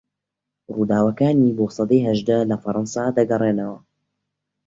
رووداوەکانی بۆ سەدەی هەژدە لە فەڕەنسا دەگەرێنەوە